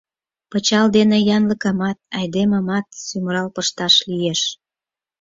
Пычал дене янлыкымат, айдемымат сӱмырал пышташ лиеш.